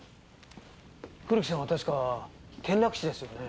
古木さんは確か転落死ですよね。